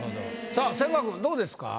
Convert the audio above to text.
さあ千賀君どうですか？